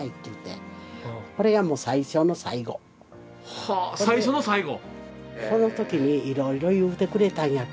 はあ最初の最後。